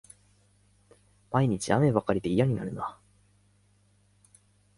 毎日、雨ばかりで嫌になるな